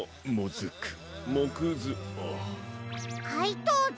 かいとうＧ？